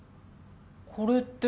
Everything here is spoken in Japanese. これって。